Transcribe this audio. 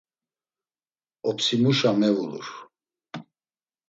Opsimuşa mevulur.